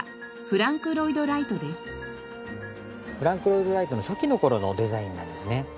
フランク・ロイド・ライトの初期の頃のデザインなんですね。